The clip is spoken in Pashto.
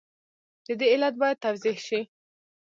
د دې علت باید توضیح شي.